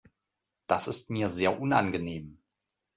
Das ist mir sehr unangenehm.